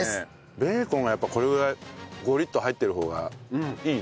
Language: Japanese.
ベーコンがやっぱこれぐらいゴリッと入ってる方がいいね。